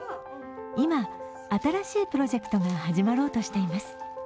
今、新しいプロジェクトが始まろうとしています。